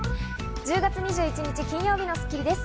１０月２１日、金曜日の『スッキリ』です。